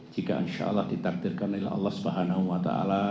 jika insya allah ditakdirkan oleh allah swt